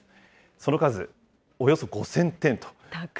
その数、およそ５０００点と。